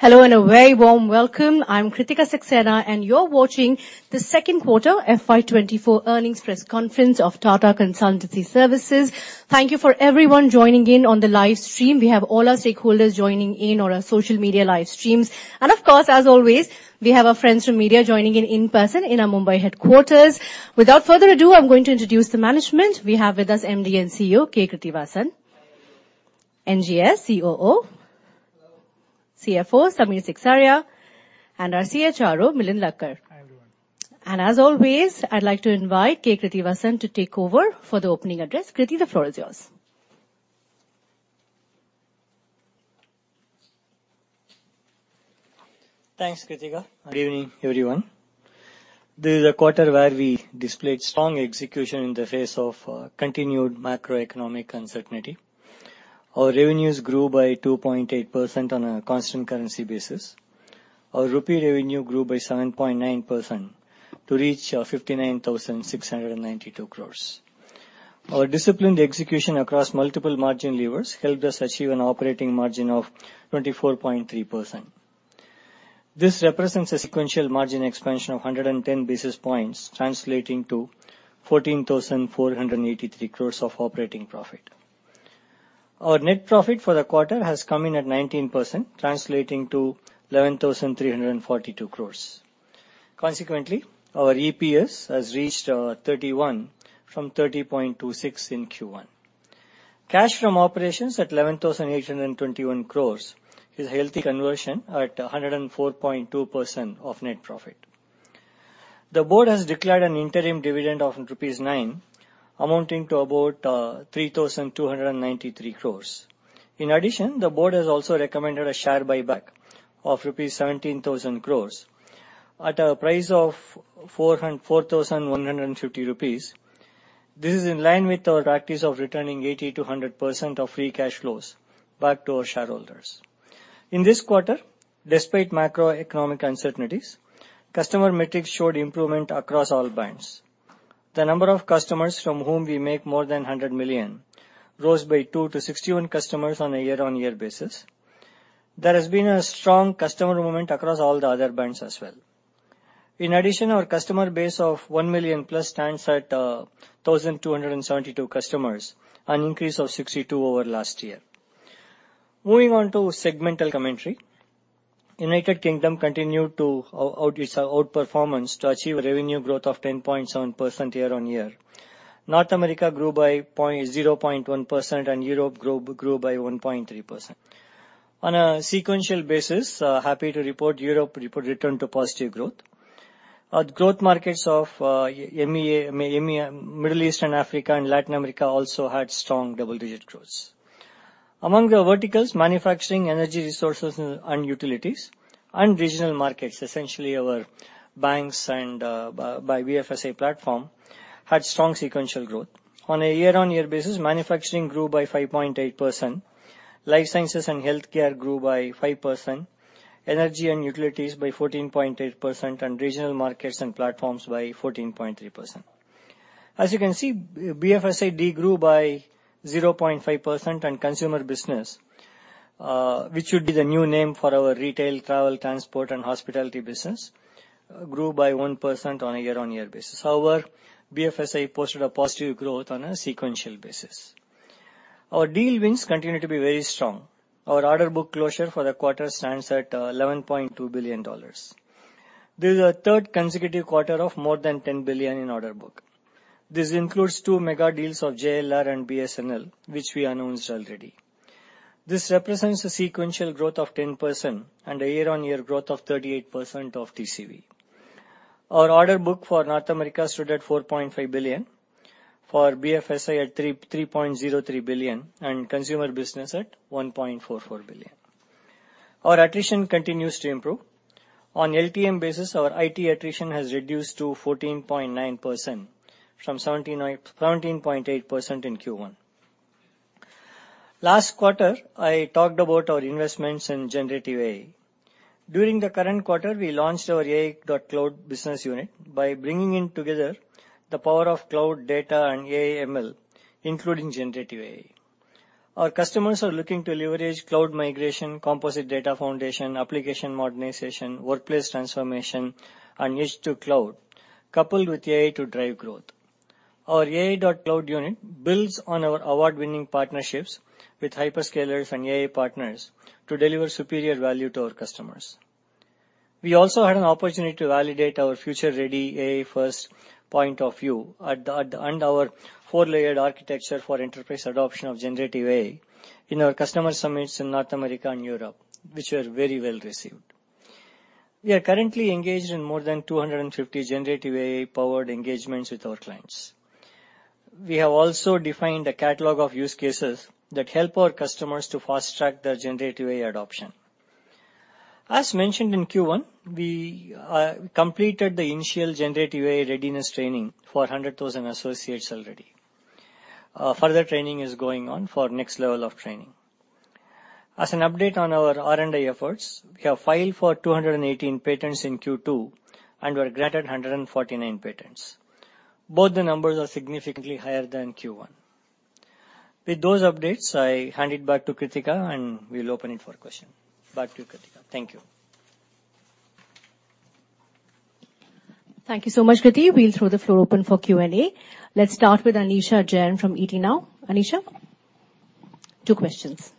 Hello, and a very warm welcome. I'm Kritika Saxena, and you're watching the Second Quarter FY24 Earnings Press Conference of Tata Consultancy Services. Thank you for everyone joining in on the live stream. We have all our stakeholders joining in on our social media live streams, and of course, as always, we have our friends from media joining in in person in our Mumbai headquarters. Without further ado, I'm going to introduce the management. We have with us MD and CEO, K. Krithivasan. NGS, COO. Hello. CFO, Samir Seksaria, and our CHRO, Milind Lakkad. Hi, everyone. As always, I'd like to invite K. Krithivasan to take over for the opening address. Krithi, the floor is yours. Thanks, Kritika. Good evening, everyone. This is a quarter where we displayed strong execution in the face of continued macroeconomic uncertainty. Our revenues grew by 2.8% on a constant currency basis. Our rupee revenue grew by 7.9%, to reach 59,692 crores. Our disciplined execution across multiple margin levers helped us achieve an operating margin of 24.3%. This represents a sequential margin expansion of 110 basis points, translating to 14,483 crores of operating profit. Our net profit for the quarter has come in at 19%, translating to 11,342 crores. Consequently, our EPS has reached 31 from 30.26 in Q1. Cash from operations at 11,821 crore is a healthy conversion at 104.2% of net profit. The board has declared an interim dividend of rupees 9, amounting to about 3,293 crore. In addition, the board has also recommended a share buyback of rupees 17,000 crore at a price of 4,150 rupees. This is in line with our practice of returning 80%-100% of free cash flows back to our shareholders. In this quarter, despite macroeconomic uncertainties, customer metrics showed improvement across all banks. The number of customers from whom we make more than $100 million rose by two to 61 customers on a year-on-year basis. There has been a strong customer movement across all the other banks as well. In addition, our customer base of one million-plus stands at 1,272 customers, an increase of 62 over last year. Moving on to segmental commentary. United Kingdom continued to outperform its outperformance to achieve a revenue growth of 10.7% year-on-year. North America grew by 0.1%, and Europe grew by 1.3%. On a sequential basis, happy to report Europe returned to positive growth. Our growth markets of MEA, Middle East and Africa, and Latin America also had strong double-digit growth. Among the verticals, Manufacturing, Energy, Resources, and Utilities, and Regional Markets, essentially our banks and BFSI platform, had strong sequential growth. On a year-on-year basis, Manufacturing grew by 5.8%, Life Sciences and Healthcare grew by 5%, Energy and Utilities by 14.8%, and Regional Markets and platforms by 14.3%. As you can see, BFSI de-grew by 0.5%, and Consumer Business, which would be the new name for our retail, travel, transport, and hospitality business, grew by 1% on a year-on-year basis. However, BFSI posted a positive growth on a sequential basis. Our deal wins continue to be very strong. Our order book closure for the quarter stands at $11.2 billion. This is our third consecutive quarter of more than $10 billion in order book. This includes two mega deals of JLR and BSNL, which we announced already. This represents a sequential growth of 10% and a year-on-year growth of 38% of TCV. Our order book for North America stood at $4.5 billion, for BFSI at $3.03 billion, and Consumer Business at $1.44 billion. Our attrition continues to improve. On LTM basis, our IT attrition has reduced to 14.9% from 17.8% in Q1. Last quarter, I talked about our investments in generative AI. During the current quarter, we launched our AI.Cloud business unit by bringing in together the power of cloud data and AI/ML, including generative AI. Our customers are looking to leverage cloud migration, composite data foundation, application modernization, workplace transformation, and edge to cloud, coupled with AI to drive growth. Our AI.Cloud unit builds on our award-winning partnerships with hyperscalers and AI partners to deliver superior value to our customers. We also had an opportunity to validate our future-ready AI-first point of view at the. And our four-layered architecture for enterprise adoption of generative AI in our customer summits in North America and Europe, which were very well received. We are currently engaged in more than 250 generative AI-powered engagements with our clients. We have also defined a catalog of use cases that help our customers to fast-track their generative AI adoption. As mentioned in Q1, we completed the initial generative AI readiness training for 100,000 associates already. Further training is going on for next level of training. As an update on our R&D efforts, we have filed for 218 patents in Q2 and were granted 149 patents. Both the numbers are significantly higher than Q1. With those updates, I hand it back to Kritika, and we will open it for question. Back to you, Kritika. Thank you. Thank you so much, Kriti. We'll throw the floor open for Q&A. Let's start with Anisha Jain from ET Now. Anisha? Two questions.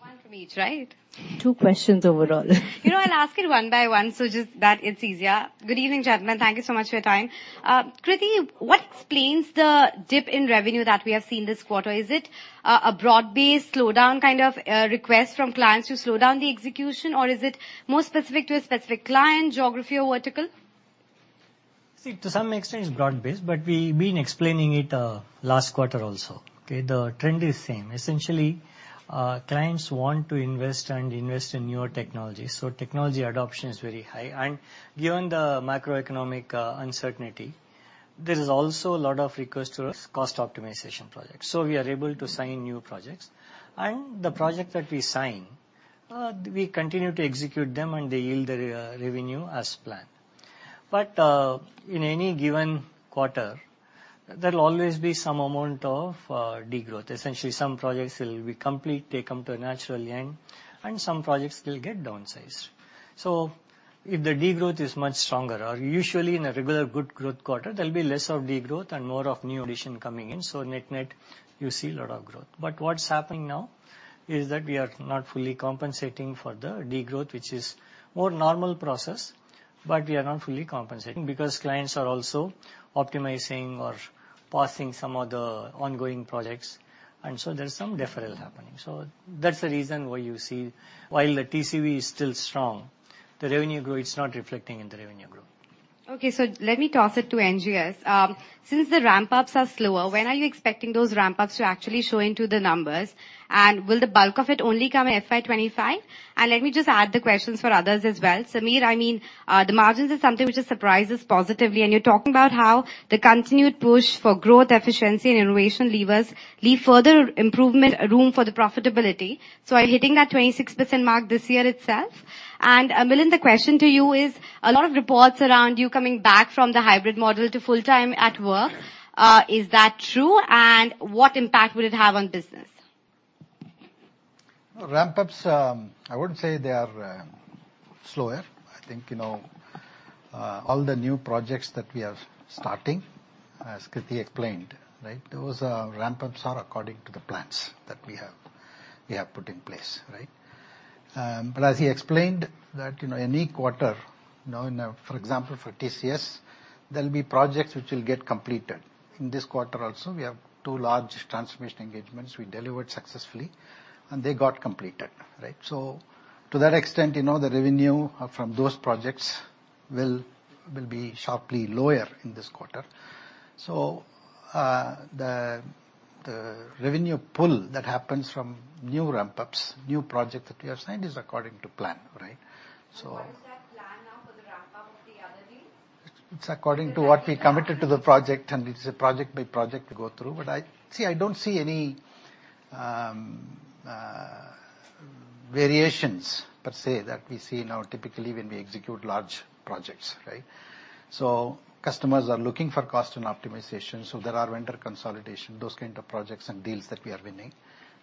One from each, right? 2 questions overall. You know, I'll ask it one by one, so just that it's easier. Good evening, gentlemen. Thank you so much for your time. Kriti, what explains the dip in revenue that we have seen this quarter? Is it a broad-based slowdown, kind of, request from clients to slow down the execution, or is it more specific to a specific client, geography or vertical? See, to some extent, it's broad-based, but we've been explaining it last quarter also, okay? The trend is same. Essentially, clients want to invest and invest in newer technologies, so technology adoption is very high. And given the macroeconomic uncertainty, there is also a lot of request to cost optimization projects. So we are able to sign new projects. And the project that we sign, we continue to execute them, and they yield the revenue as planned. But in any given quarter, there'll always be some amount of degrowth. Essentially, some projects will be complete, they come to a natural end, and some projects will get downsized. So if the degrowth is much stronger, or usually in a regular good growth quarter, there'll be less of degrowth and more of new addition coming in, so net-net, you see a lot of growth. What's happening now is that we are not fully compensating for the degrowth, which is a more normal process, but we are not fully compensating because clients are also optimizing or pausing some of the ongoing projects, and there is some deferral happening. That's the reason why you see while the TCV is still strong, the revenue growth, it's not reflecting in the revenue growth. Okay, so let me toss it to NGS. Since the ramp-ups are slower, when are you expecting those ramp-ups to actually show into the numbers? And will the bulk of it only come in FY 2025? And let me just add the questions for others as well. Samir, I mean, the margins is something which has surprised us positively, and you're talking about how the continued push for growth, efficiency and innovation levers leave further improvement room for the profitability. So are you hitting that 26% mark this year itself? And, Milind, the question to you is, a lot of reports around you coming back from the hybrid model to full-time at work. Is that true, and what impact would it have on business? Ramp-ups, I wouldn't say they are slower. I think, you know, all the new projects that we are starting, as Krithi explained, right? Those, ramp-ups are according to the plans that we have, we have put in place, right? But as he explained, that, you know, any quarter, you know, for example, for TCS, there will be projects which will get completed. In this quarter also, we have two large transformation engagements we delivered successfully, and they got completed, right? So to that extent, you know, the revenue, from those projects will, will be sharply lower in this quarter. So, the, the revenue pull that happens from new ramp-ups, new project that we have signed, is according to plan, right? What is that plan now for the ramp-up of the other deals? It's according to what we committed to the project, and it's a project-by-project we go through. But see, I don't see any variations per se that we see now typically when we execute large projects, right? So customers are looking for cost and optimization, so there are vendor consolidation, those kind of projects and deals that we are winning.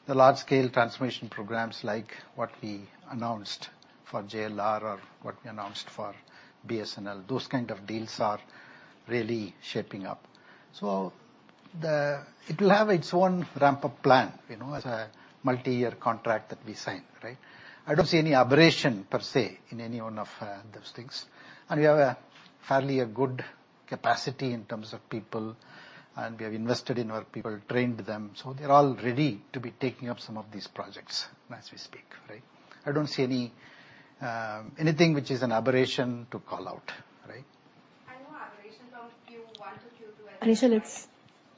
The large-scale transformation programs like what we announced for JLR or what we announced for BSNL, those kind of deals are really shaping up. So it will have its own ramp-up plan, you know, as a multi-year contract that we sign, right? I don't see any aberration per se in any one of those things. We have a fairly good capacity in terms of people, and we have invested in our people, trained them, so they're all ready to be taking up some of these projects as we speak, right? I don't see any, anything which is an aberration to call out, right? I know, aberrations of Q1 to Q2. Anisha,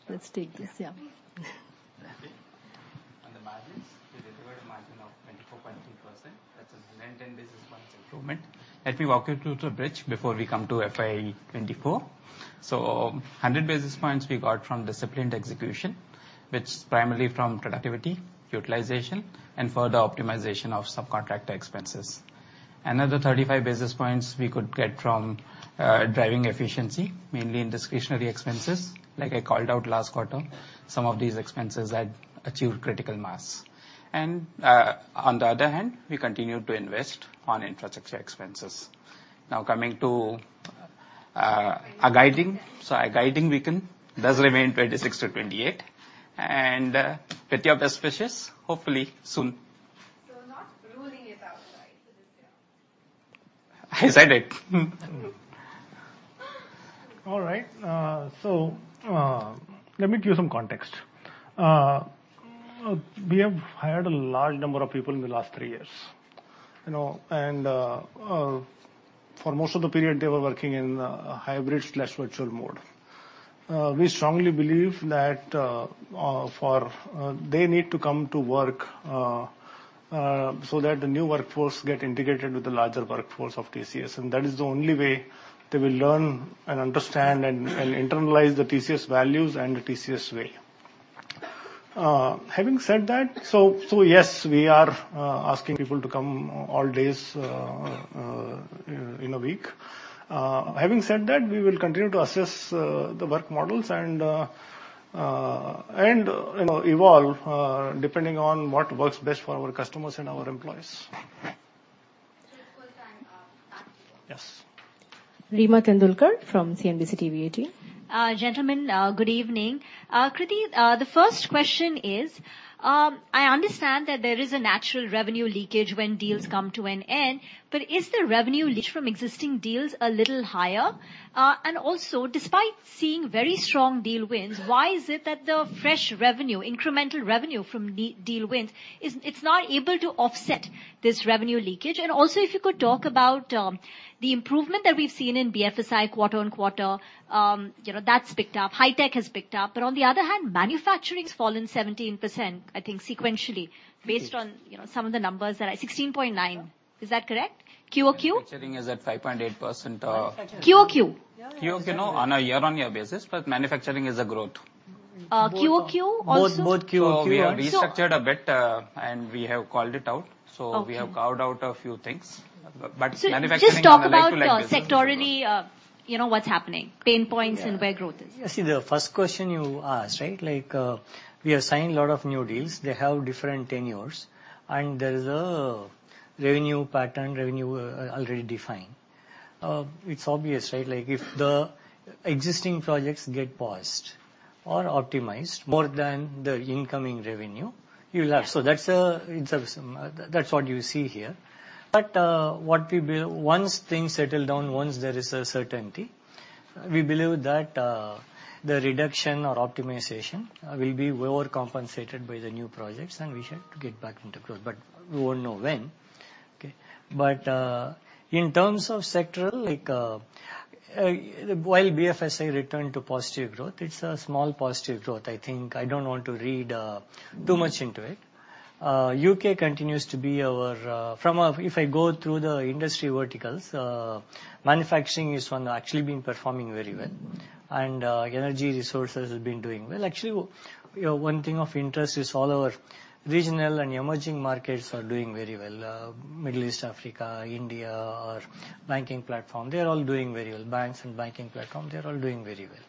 let's take this. Yeah. On the margins, we delivered a margin of 24.3%. That's a 90 basis points improvement. Let me walk you through the bridge before we come to FY 2024. 100 basis points we got from disciplined execution, which is primarily from productivity, utilization, and further optimization of subcontractor expenses. Another 35 basis points we could get from, like, driving efficiency, mainly in discretionary expenses. Like I called out last quarter, some of these expenses had achieved critical mass. On the other hand, we continued to invest on infrastructure expenses. Now coming to our guiding. Our guiding does remain 26%-28%, and with your best wishes, hopefully soon. So not ruling it out, right? I said it. All right, let me give you some context. We have hired a large number of people in the last three years, you know, and for most of the period, they were working in a hybrid/virtual mode. We strongly believe that, for—they need to come to work so that the new workforce get integrated with the larger workforce of TCS, and that is the only way they will learn and understand and internalize the TCS values and the TCS way. Having said that, yes, we are asking people to come all days in a week. Having said that, we will continue to assess the work models and, you know, evolve depending on what works best for our customers and our employees. Yes. Reema Tendulkar from CNBC TV18. Gentlemen, good evening. Krithi, the first question is, I understand that there is a natural revenue leakage when deals come to an end, but is the revenue leak from existing deals a little higher? And also, despite seeing very strong deal wins, why is it that the fresh revenue, incremental revenue from deal wins, it's not able to offset this revenue leakage? And also, if you could talk about, the improvement that we've seen in BFSI quarter-over-quarter. You know, that's picked up. High Tech has picked up. But on the other hand, manufacturing's fallen 17%, I think, sequentially, based on, you know, some of the numbers that 16.9. Is that correct? QOQ. Manufacturing is at 5.8%. QOQ. QoQ, no, on a year-on-year basis, but manufacturing is a growth. QOQ also? Both, both QOQ. So we have restructured a bit, and we have called it out. Okay. So we have carved out a few things. But manufacturing- So just talk about, sectorally, you know, what's happening, pain points- Yeah and where growth is. Yeah, see, the first question you asked, right? Like, we have signed a lot of new deals. They have different tenures, and there is a revenue pattern, revenue, already defined. It's obvious, right? Like, if the existing projects get paused or optimized more than the incoming revenue, you'll have... So that's, it's a, that's what you see here. But, Once things settle down, once there is a certainty, we believe that, the reduction or optimization, will be overcompensated by the new projects, and we should get back into growth. But we won't know when, okay? But, in terms of sectoral, like, while BFSI returned to positive growth, it's a small positive growth. I think I don't want to read, too much into it. UK continues to be our, If I go through the industry verticals, manufacturing is one that actually been performing very well, and Energy Resources has been doing well. Actually, one thing of interest is all our Regional and emerging markets are doing very well. Middle East, Africa, India, or banking platform, they're all doing very well. Banks and banking platform, they're all doing very well.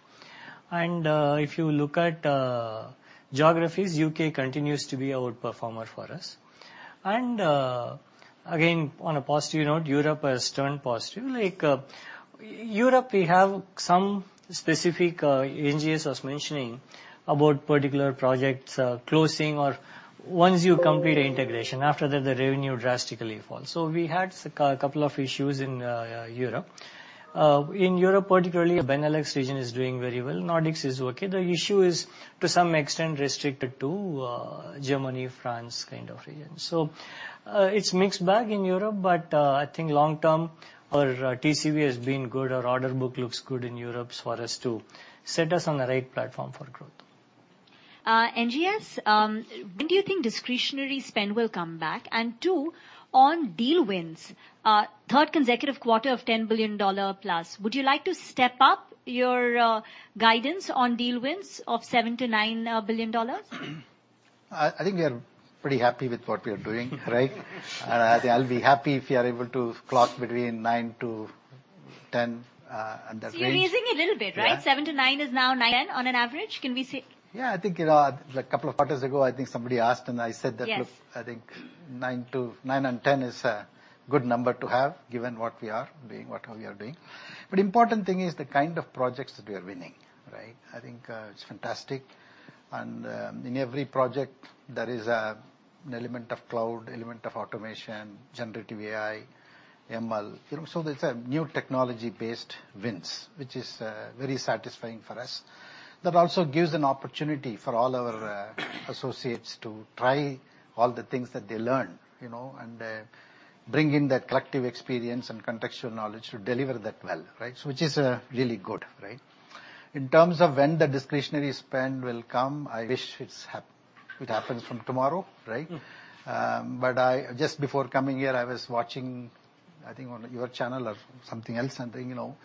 And if you look at geographies, UK continues to be our performer for us. And again, on a positive note, Europe has turned positive. Like, Europe, we have some specific, NGS was mentioning about particular projects closing or once you complete integration, after that, the revenue drastically falls. So we had a couple of issues in Europe. In Europe, particularly, Benelux region is doing very well. Nordics is okay. The issue is, to some extent, restricted to Germany, France, kind of region. So, it's mixed bag in Europe, but, I think long term, our TCV has been good. Our order book looks good in Europe for us to set us on the right platform for growth. NGS, when do you think discretionary spend will come back? And two, on deal wins, third consecutive quarter of $10 billion dollar plus, would you like to step up your, guidance on deal wins of $7 billion-$9 billion? I think we are pretty happy with what we are doing, right? I'll be happy if we are able to clock between 9-10, at that range. So you're raising it little bit, right? Yeah. 7-9 is now 9 and 10 on an average? Can we say- Yeah, I think, you know, a couple of quarters ago, I think somebody asked, and I said that- Yes Look, I think nine to, 9 and 10 is a good number to have, given what we are doing, whatever we are doing. But important thing is the kind of projects that we are winning, right? I think, it's fantastic, and, in every project there is, an element of cloud, element of automation, generative AI, ML. You know, so there's a new technology-based wins, which is, very satisfying for us. That also gives an opportunity for all our, associates to try all the things that they learn, you know, and, bring in that collective experience and contextual knowledge to deliver that well, right? So which is, really good, right. In terms of when the discretionary spend will come, I wish it's hap- it happens from tomorrow, right? Mm. But just before coming here, I was watching, I think on your channel or something else, and, you know,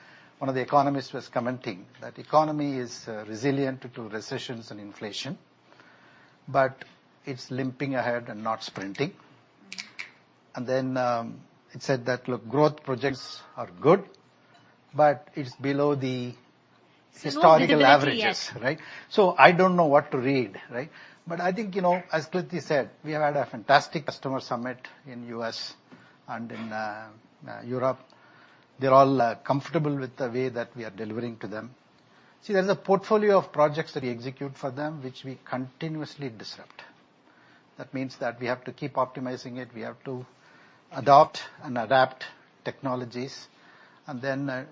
one of the economists was commenting that economy is resilient to recessions and inflation, but it's limping ahead and not sprinting. And then, it said that, look, growth projects are good, but it's below the historical averages. Right? So I don't know what to read, right? But I think, you know, as Krithi said, we have had a fantastic customer summit in U.S. and in, Europe. They're all, comfortable with the way that we are delivering to them. See, there's a portfolio of projects that we execute for them, which we continuously disrupt. That means that we have to keep optimizing it, we have to adopt and adapt technologies, and then,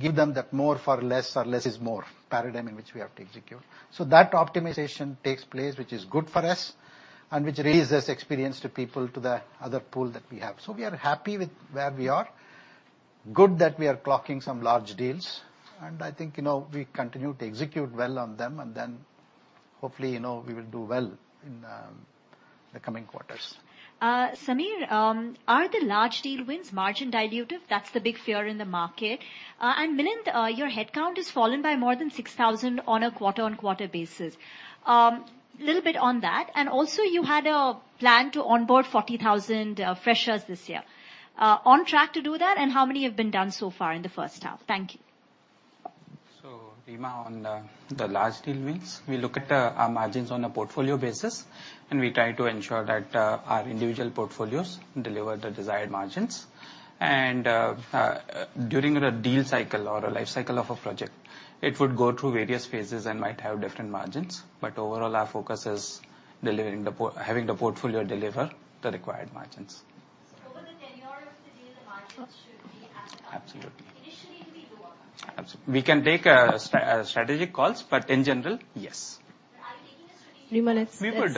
give them that more for less or less is more paradigm in which we have to execute. So that optimization takes place, which is good for us, and which raises experience to people, to the other pool that we have. So we are happy with where we are. Good that we are clocking some large deals, and I think, you know, we continue to execute well on them, and then hopefully, you know, we will do well in the coming quarters. Samir, are the large deal wins margin dilutive? That's the big fear in the market. Milind, your headcount has fallen by more than 6,000 on a quarter-over-quarter basis. Little bit on that, and also you had a plan to onboard 40,000 freshers this year. On track to do that? And how many have been done so far in the first half? Thank you. Reema, on the large deal wins, we look at our margins on a portfolio basis, and we try to ensure that our individual portfolios deliver the desired margins. During a deal cycle or a life cycle of a project, it would go through various phases and might have different margins, but overall, our focus is having the portfolio deliver the required margins. Over the tenure of the deal, the margins should be as- Absolutely. Initially, it will be lower? Absolutely. We can take strategic calls, but in general, yes. Rima, let's- We would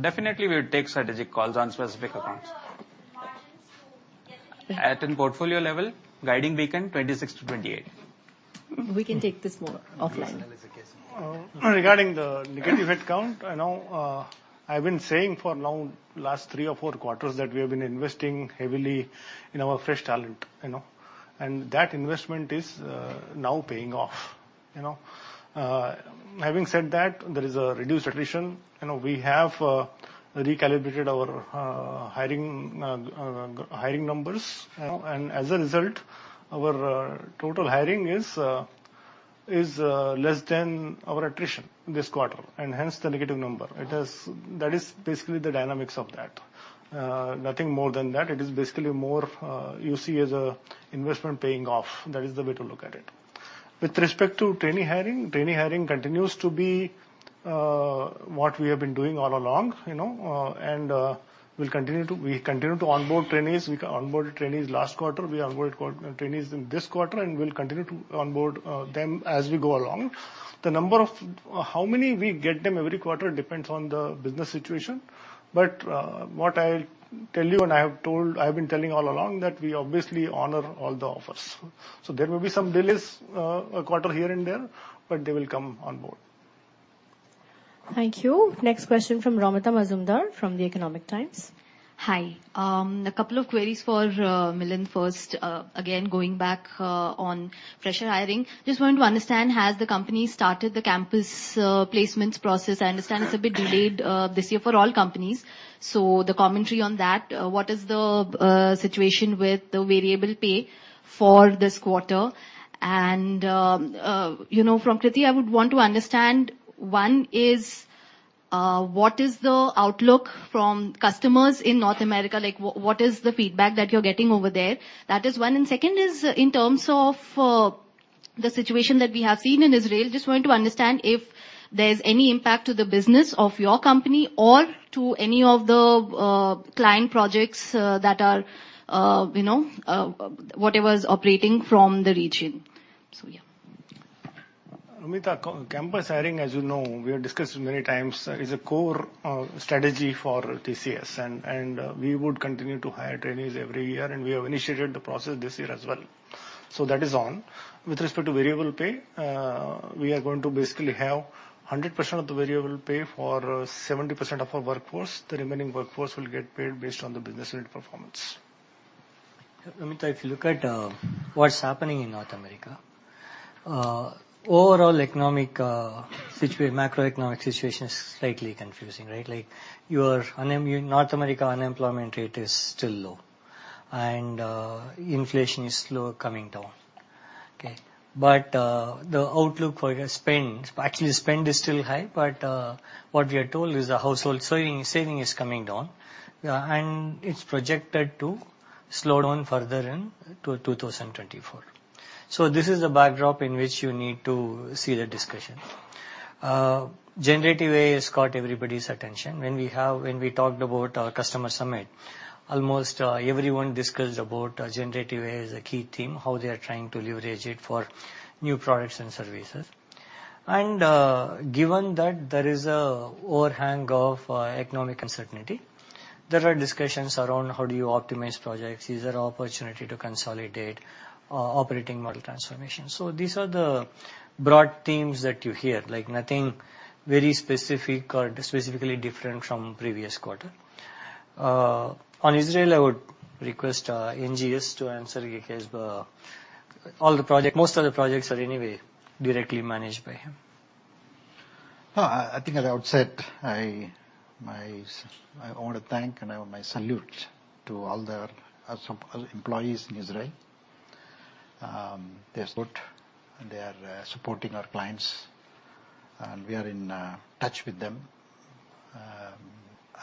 definitely take strategic calls on specific accounts. What are the margins to get- At portfolio level, guiding we can 26-28. We can take this more offline. Regarding the negative headcount, I know, I've been saying for now last three or four quarters that we have been investing heavily in our fresh talent, you know, and that investment is, now paying off. You know, having said that, there is a reduced attrition. You know, we have, recalibrated our, hiring, hiring numbers, you know, and as a result, our, total hiring is, is, less than our attrition this quarter, and hence, the negative number. It is... That is basically the dynamics of that. Nothing more than that. It is basically more, you see as a investment paying off. That is the way to look at it. With respect to trainee hiring, trainee hiring continues to be what we have been doing all along, you know, and we'll continue to onboard trainees. We continue to onboard trainees. We onboarded trainees last quarter, we onboarded trainees in this quarter, and we'll continue to onboard them as we go along. The number of how many we get them every quarter depends on the business situation. But what I'll tell you, and I have been telling all along, that we obviously honor all the offers. So there will be some delays, a quarter here and there, but they will come on board. Thank you. Next question from Romita Majumdar, from the Economic Times. Hi. A couple of queries for Milind. First, again, going back on fresher hiring. Just want to understand, has the company started the campus placements process? I understand it's a bit delayed this year for all companies, so the commentary on that. What is the situation with the variable pay for this quarter? And, you know, from Krithi, I would want to understand, one is what is the outlook from customers in North America? Like, what is the feedback that you're getting over there? That is one. And second is in terms of the situation that we have seen in Israel, just want to understand if there's any impact to the business of your company or to any of the client projects that are you know whatever is operating from the region. So, yeah. Romita, campus hiring, as you know, we have discussed many times, is a core strategy for TCS, and we would continue to hire trainees every year, and we have initiated the process this year as well, so that is on. With respect to variable pay, we are going to basically have 100% of the variable pay for 70% of our workforce. The remaining workforce will get paid based on the business unit performance. Romita, if you look at what's happening in North America, overall economic macroeconomic situation is slightly confusing, right? Like, North America unemployment rate is still low, and inflation is slow coming down. Okay? But the outlook for your spend, actually, spend is still high, but what we are told is the household saving, saving is coming down, and it's projected to slow down further into 2024. So this is the backdrop in which you need to see the discussion. Generative AI has caught everybody's attention. When we talked about our customer summit, almost everyone discussed about generative AI as a key theme, how they are trying to leverage it for new products and services. Given that there is an overhang of economic uncertainty, there are discussions around how do you optimize projects? Is there opportunity to consolidate, operating model transformation? These are the broad themes that you hear, like nothing very specific or specifically different from previous quarter. On Israel, I would request N. Ganapathy Subramaniam to answer because all the projects—most of the projects are anyway directly managed by him. I think as I would said, I want to thank, and my salute to all our employees in Israel. They're good, and they are supporting our clients, and we are in touch with them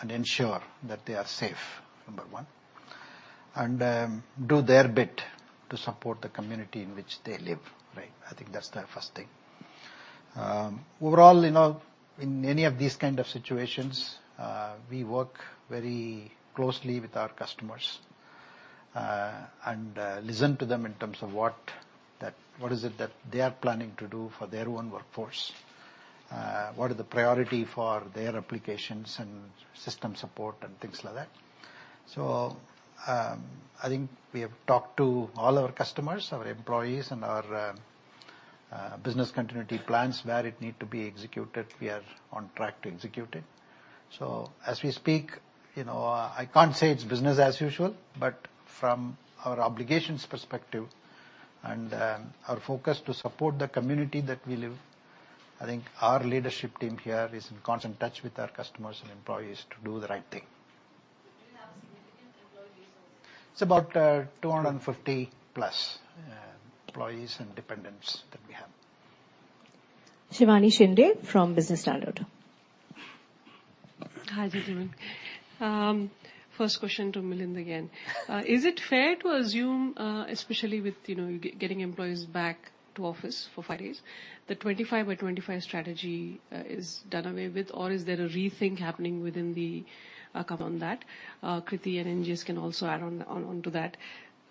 and ensure that they are safe, number one, and do their bit to support the community in which they live, right? I think that's the first thing. Overall, you know, in any of these kind of situations, we work very closely with our customers, and listen to them in terms of what is it that they are planning to do for their own workforce, what are the priority for their applications and system support, and things like that. I think we have talked to all our customers, our employees, and our business continuity plans. Where it need to be executed, we are on track to execute it. So as we speak, you know, I can't say it's business as usual, but from our obligations perspective and, our focus to support the community that we live, I think our leadership team here is in constant touch with our customers and employees to do the right thing. It's about 250+ employees and dependents that we have. Shivani Shinde from Business Standard. Hi, good evening. First question to Milind again. Is it fair to assume, especially with, you know, getting employees back to office for five days, the 25x25 strategy is done away with or is there a rethink happening within the cover on that? Kriti and NGS can also add on, onto that.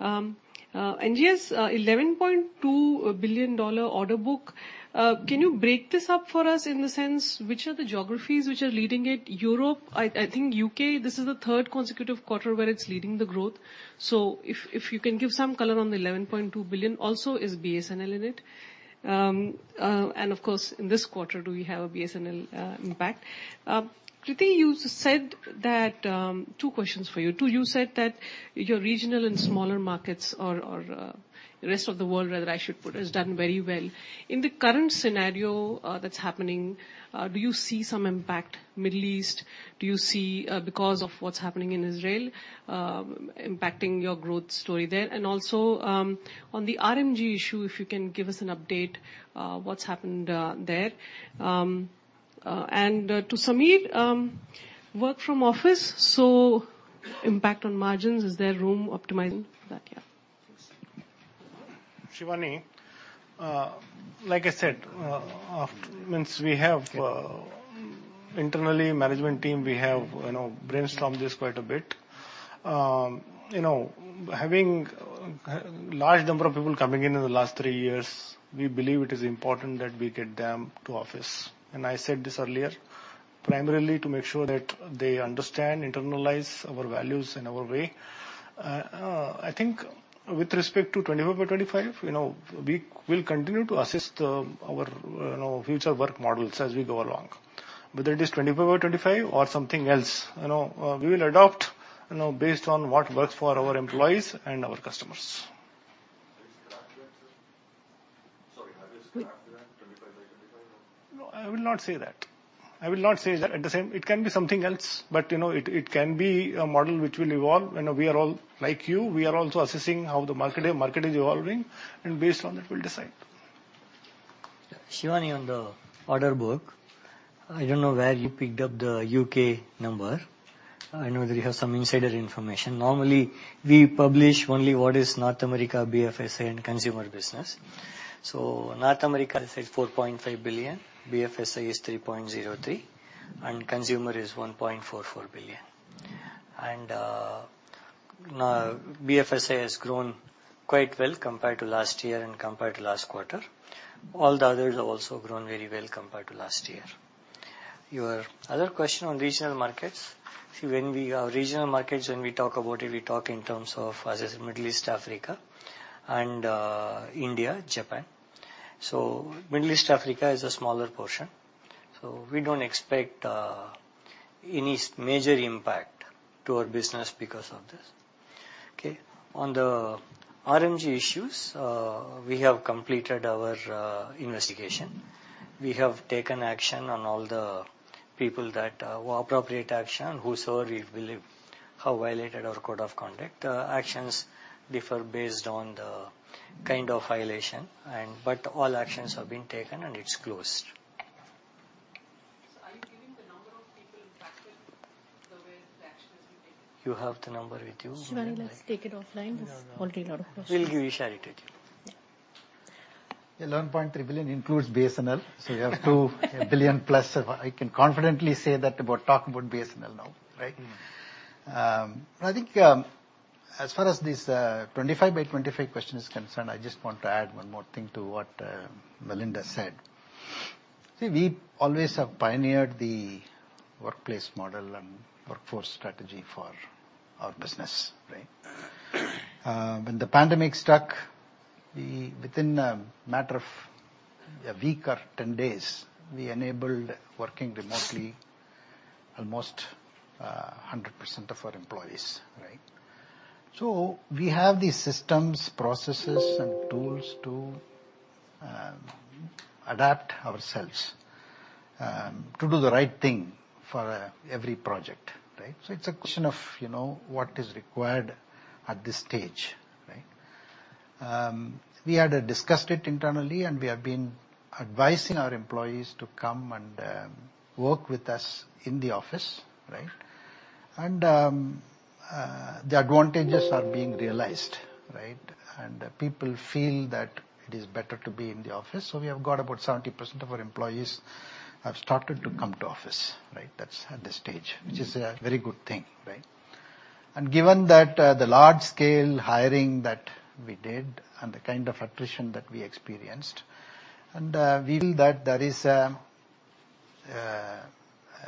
NGS, $11.2 billion order book, can you break this up for us in the sense which are the geographies which are leading it? Europe—I think U.K., this is the third consecutive quarter where it's leading the growth. If you can give some color on the $11.2 billion. Also is BSNL in it? Of course, in this quarter, do we have a BSNL impact? Kriti, you said that. Two questions for you, two. You said that your Regional and smaller markets or rest of the world, rather, I should put, has done very well. In the current scenario, that's happening, do you see some impact, Middle East? Do you see, because of what's happening in Israel, impacting your growth story there? And also, on the RMG issue, if you can give us an update, what's happened, there. To Samir, work from office, so impact on margins, is there room optimizing that? Yeah. Shivani, like I said, I mean, we have internally management team we have you know brainstormed this quite a bit. You know, having a large number of people coming in in the last three years, we believe it is important that we get them to office. And I said this earlier, primarily to make sure that they understand internalize our values and our way. I think with respect to 25 by 25, you know, we will continue to assess our you know future work models as we go along. Whether it is 25 by 25 or something else, you know, we will adopt you know based on what works for our employees and our customers. Sorry, have you scrapped that, 25 by 25? No, I will not say that. I will not say that. At the same time, it can be something else, but, you know, it can be a model which will evolve. You know, we are all like you. We are also assessing how the market is evolving, and based on that, we'll decide. Yeah. Shivani, on the order book, I don't know where you picked up the UK number. I know that you have some insider information. Normally, we publish only what is North America, BFSI and Consumer Business. North America is at $4.5 billion, BFSI is $3.03 billion, and consumer is $1.44 billion. Now, BFSI has grown quite well compared to last year and compared to last quarter. All the others have also grown very well compared to last year. Your other question on Regional Markets, see, when we, Our Regional Markets, when we talk about it, we talk in terms of as Middle East, Africa and India, Japan. Middle East, Africa is a smaller portion, so we don't expect any major impact to our business because of this. Okay. On the RMG issues, we have completed our investigation. We have taken action on all the people that, or appropriate action, whosoever we believe have violated our code of conduct. Actions differ based on the kind of violation and, but all actions have been taken, and it's closed. Are you giving the number of people impacted the way the action has been taken? You have the number with you. Shivani, let's take it offline. There's already a lot of questions. We'll give it to you. Yeah. $11.3 billion includes BSNL, so you have $2.8 billion plus. I can confidently say that about talking about BSNL now, right? Mm-hmm. I think, as far as this 25 by 25 question is concerned, I just want to add one more thing to what Milind said. See, we always have pioneered the workplace model and workforce strategy for our business, right? When the pandemic struck, we, within a matter of a week or 10 days, we enabled working remotely almost 100% of our employees, right? So we have the systems, processes, and tools to adapt ourselves to do the right thing for every project, right? So it's a question of, you know, what is required at this stage, right? We had discussed it internally, and we have been advising our employees to come and work with us in the office, right? And the advantages are being realized, right? People feel that it is better to be in the office. So we have got about 70% of our employees have started to come to office, right? That's at this stage. Mm-hmm. Which is a very good thing, right? And given that, the large-scale hiring that we did and the kind of attrition that we experienced, and, we feel that there is a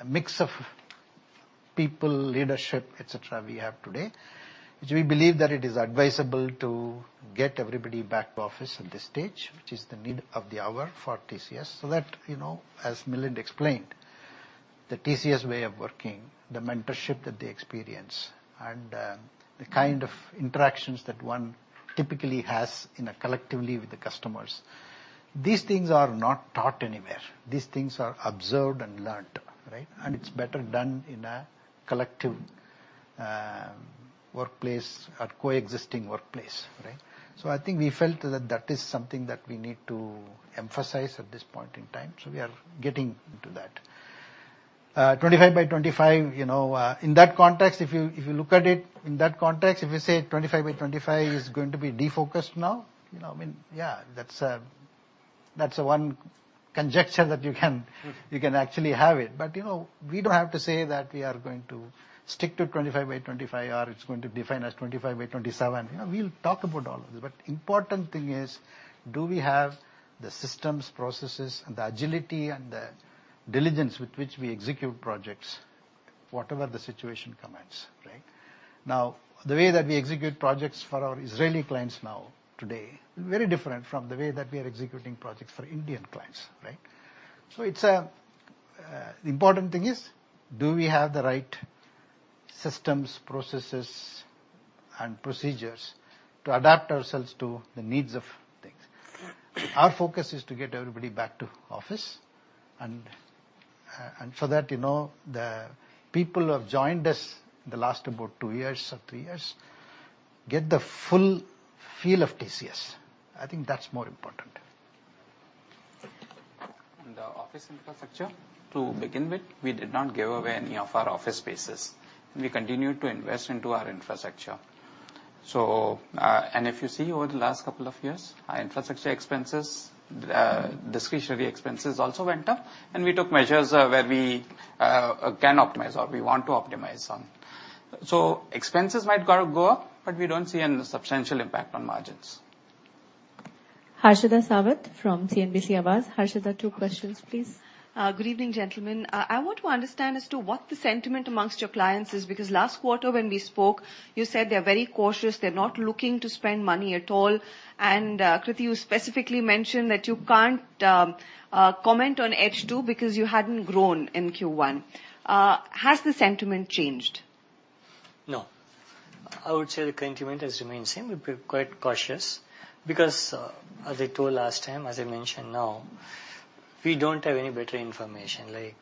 mix of people, leadership, et cetera, we have today, which we believe that it is advisable to get everybody back to office at this stage, which is the need of the hour for TCS. So that, you know, as Milind explained, the TCS way of working, the mentorship that they experience, and, the kind of interactions that one typically has in a collectively with the customers... These things are not taught anywhere. These things are observed and learned, right? And it's better done in a collective, workplace or coexisting workplace, right? So I think we felt that that is something that we need to emphasize at this point in time, so we are getting into that. 25 by 25, you know, in that context, if you, if you look at it in that context, if you say 25 by 25 is going to be defocused now, you know what I mean? Yeah, that's a, that's one conjecture that you can, you can actually have it. But, you know, we don't have to say that we are going to stick to 25 by 25, or it's going to define as 25 by 27. You know, we'll talk about all of this. But important thing is, do we have the systems, processes, and the agility and the diligence with which we execute projects, whatever the situation commands, right? Now, the way that we execute projects for our Israeli clients now, today, is very different from the way that we are executing projects for Indian clients, right? So it's a... The important thing is, do we have the right systems, processes, and procedures to adapt ourselves to the needs of things? Our focus is to get everybody back to office, and, and for that, you know, the people who have joined us in the last about 2 years or 3 years, get the full feel of TCS. I think that's more important. The office infrastructure, to begin with, we did not give away any of our office spaces. We continued to invest into our infrastructure. So, and if you see over the last couple of years, our infrastructure expenses, discretionary expenses also went up, and we took measures where we can optimize or we want to optimize on. So expenses might gotta go up, but we don't see any substantial impact on margins. Harshada Sawant from CNBC Awaaz. Harshida, two questions, please. Good evening, gentlemen. I want to understand as to what the sentiment amongst your clients is, because last quarter when we spoke, you said they're very cautious, they're not looking to spend money at all. Krithi, you specifically mentioned that you can't comment on H2 because you hadn't grown in Q1. Has the sentiment changed? No, I would say the sentiment has remained same. We've been quite cautious because, as I told last time, as I mentioned now, we don't have any better information. Like,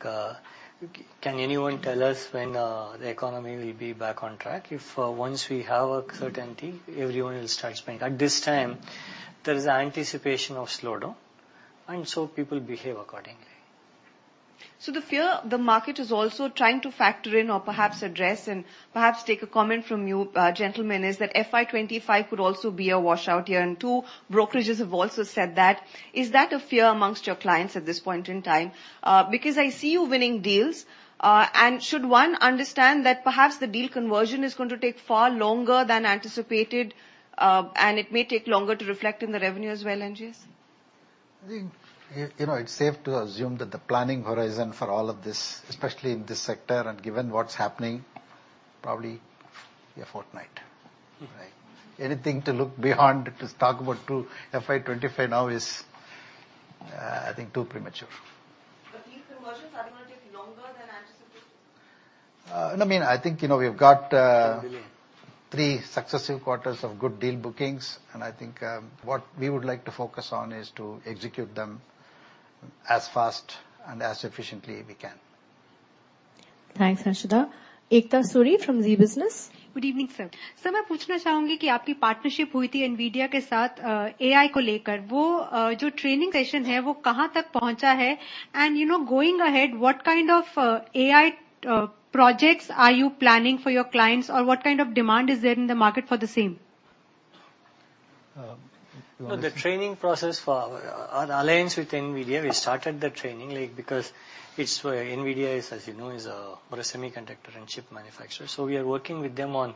can anyone tell us when the economy will be back on track? If, once we have a certainty, everyone will start spending. At this time, there is anticipation of slowdown, and so people behave accordingly. So the fear, the market is also trying to factor in or perhaps address, and perhaps take a comment from you, gentlemen, is that FY 2025 could also be a washout year, and two brokerages have also said that. Is that a fear among your clients at this point in time? Because I see you winning deals. And should one understand that perhaps the deal conversion is going to take far longer than anticipated, and it may take longer to reflect in the revenue as well, NGS? I think, you know, it's safe to assume that the planning horizon for all of this, especially in this sector and given what's happening, probably a fortnight. Right. Anything to look beyond, to talk about to FY 2025 now is, I think, too premature. These conversions, are they going to take longer than anticipated? No, I mean, I think, you know, we've got... Really? Three successive quarters of good deal bookings, and I think, what we would like to focus on is to execute them as fast and as efficiently we can. Thanks, Harshada. Ekta Suri from Zee Business. Good evening, sir. Sir, I want to ask you, your partnership with NVIDIA for AI, the training session, how far has it reached? And, you know, going ahead, what kind of AI projects are you planning for your clients, or what kind of demand is there in the market for the same? You want to. The training process for our alliance with NVIDIA, we started the training, like, because it's where... NVIDIA is, as you know, is, like, more a semiconductor and chip manufacturer. So we are working with them on